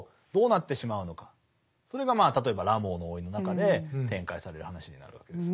それが例えば「ラモーの甥」の中で展開される話になるわけです。